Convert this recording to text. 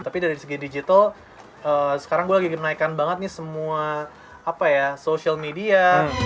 tapi dari segi digital sekarang gue lagi menaikkan banget nih semua apa ya social media